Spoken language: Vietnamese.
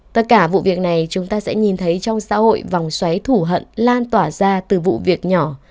tất cả vụ việc này chúng ta sẽ nhìn thấy trong xã hội vòng xoáy thủ hận lan tỏa ra từ vụ việc nhỏ